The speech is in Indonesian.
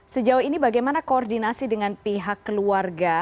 sejauh ini bagaimana koordinasi dengan pihak keluarga